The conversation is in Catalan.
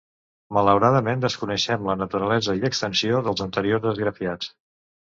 Malauradament desconeixem la naturalesa i extensió dels anteriors esgrafiats.